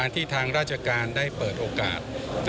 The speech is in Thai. ทางราชการได้เปิดโอกาส